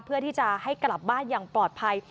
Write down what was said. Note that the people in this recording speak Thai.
เพื่อที่จะให้กลับบ้านอย่างปลอดภัย